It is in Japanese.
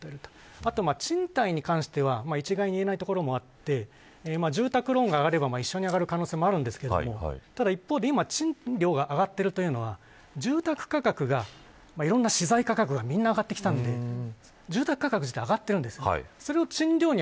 これは賃貸に関しては一概に言えないところもあって住宅ローンが上がれば一緒に上がる可能性もありますが一方で今賃料が上がっているというのは住宅価格がいろんな資材価格が上がってきたので住宅価格自体上がってるんです。